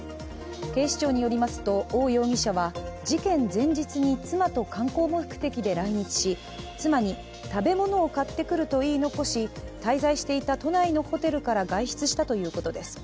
警視庁によりますと、王容疑者は事件前日に妻と観光目的で来日し妻に、食べ物を買ってくると言い残し、滞在していた都内のホテルから外出したということです。